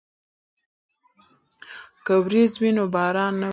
که وریځ وي نو باران نه وریږي.